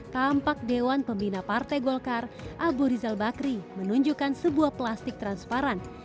tampak dewan pembina partai golkar abu rizal bakri menunjukkan sebuah plastik transparan